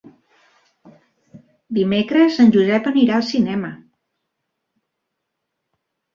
Dimecres en Josep anirà al cinema.